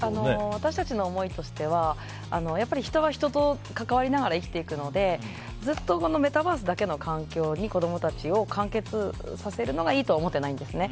私たちの思いとしては人は人と関わり合いながら生きていくのでずっとメタバースだけの環境に子供たちを完結させるのがいいとは思ってないんですね。